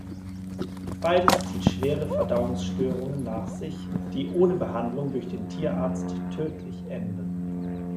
Beides zieht schwere Verdauungsstörungen nach sich, die ohne Behandlung durch den Tierarzt tödlich enden.